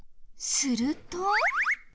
すると。